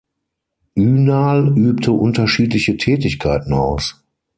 Ünal übte unterschiedliche Tätigkeiten aus.